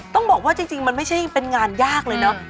ต้องบอกว่าจริงมันไม่ใช่เป็นงานยากเลยเนอะ